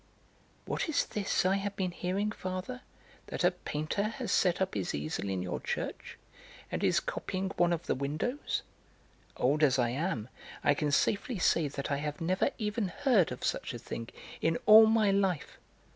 "What is this I have been hearing, Father, that a painter has set up his easel in your church, and is copying one of the windows? Old as I am, I can safely say that I have never even heard of such a thing in all my life!